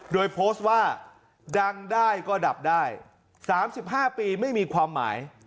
โดยโพสต์ว่าดังได้ก็ดับได้๓๕ปีไม่มีความหมาย